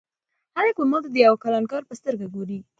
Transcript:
خلک به ما ته د یو کلانکار په سترګه ګوري.